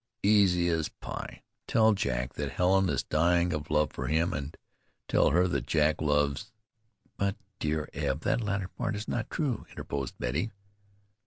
"Easy as pie. Tell Jack that Helen is dying of love for him, and tell her that Jack loves " "But, dear Eb, that latter part is not true," interposed Betty.